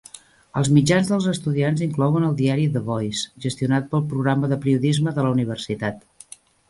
Els mitjans dels estudiants inclouen el diari "The Voice", gestionat pel Programa de Periodisme de la Universitat.